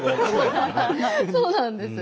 そうなんです。